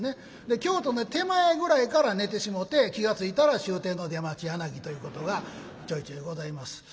京都の手前ぐらいから寝てしもて気が付いたら終点の出町柳ということがちょいちょいございます。